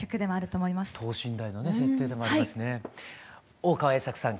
大川栄策さん